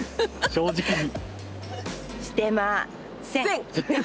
正直に。